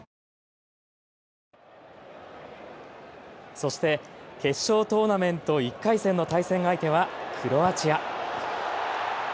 そして決勝トーナメント１回戦の対戦相手はクロアチア。